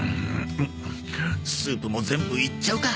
スープも全部いっちゃうか。